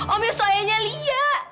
om yos itu ayahnya lia